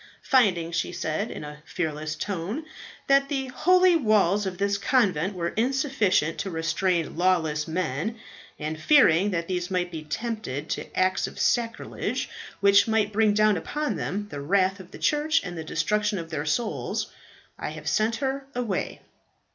"Finding," she said, in a fearless tone, "that the holy walls of this convent were insufficient to restrain lawless men, and fearing that these might be tempted to acts of sacrilege, which might bring down upon them the wrath of the church and the destruction of their souls, I have sent her away."